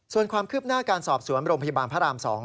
ส่วนความคืบหน้าการสอบสวนโรงพยาบาลพระราม๒